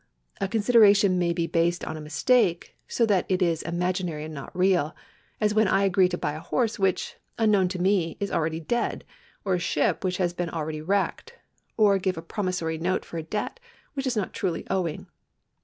A consideration may be based on a mistake, so that it is imaginary and not real ; as when I agree to buy a horse whicii, unknown to me, is already dead, or a ship which has been already wrecked, or give a promissory note for a debt which is not truly owing.